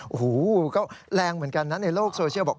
โอ้โหก็แรงเหมือนกันนะในโลกโซเชียลบอก